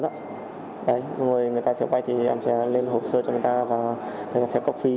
người ta sẽ quay thì em sẽ lên hộp sơ cho người ta và sẽ có phí